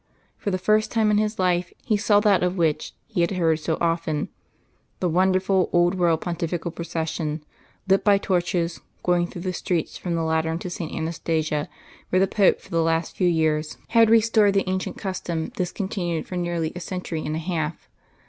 For the first time in his life he saw that of which he had heard so often, the wonderful old world Pontifical procession, lit by torches, going through the streets from the Lateran to St. Anastasia, where the Pope for the last few years had restored the ancient custom discontinued for nearly a century and a half.